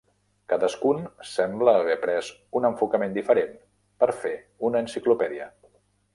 Cadascun sembla haver pres un enfocament diferent per fer una enciclopèdia.